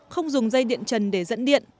không dùng dây điện trần để dẫn điện